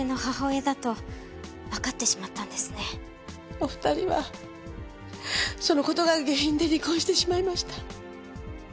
お二人はその事が原因で離婚してしまいました。